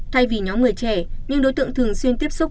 thay vì nhóm người trẻ những đối tượng thường xuyên tiếp xúc